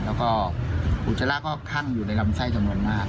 แล้วก็อุจจาระก็คั่งอยู่ในลำไส้จำนวนมาก